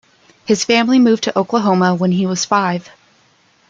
His family moved to Oklahoma when he was five.